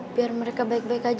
biar mereka baik baik aja